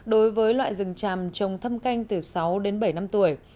đối với loại rừng tràm trồng thâm canh từ sáu đến bảy năm tuổi